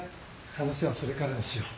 話はそれからにしよう。